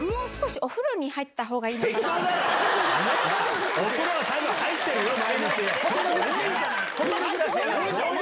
お風呂に入ってるよ、毎日。